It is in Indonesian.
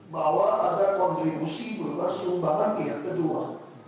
bahwa ada kontribusi berdasarkan sumbangan biaya kedua